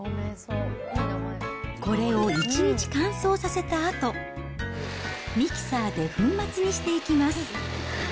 これを１日乾燥させたあと、ミキサーで粉末にしていきます。